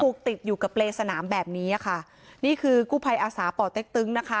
ติดอยู่กับเปรย์สนามแบบนี้ค่ะนี่คือกู้ภัยอาสาป่อเต็กตึงนะคะ